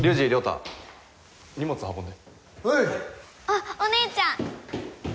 あっお姉ちゃん！